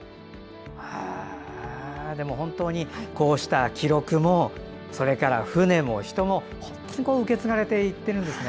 でも、本当にこうした記録もそれから船も人も受け継がれていってるんですね。